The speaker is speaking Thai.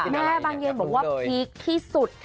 บางเย็นบอกว่าพีคที่สุด